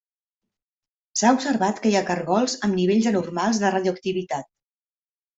S'ha observat que hi ha caragols amb nivells anormals de radioactivitat.